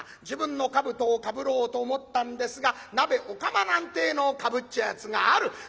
自分の兜をかぶろうと思ったんですが鍋お釜なんてえのをかぶっちゃうやつがある。